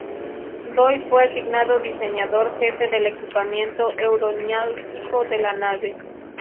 Doi fue asignado Diseñador Jefe del equipamiento aeronáutico de la nave.